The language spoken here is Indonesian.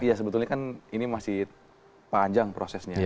tapi ya sebetulnya kan ini masih panjang prosesnya